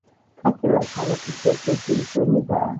კაპელა ქალაქის ერთერთი მშვენებაა.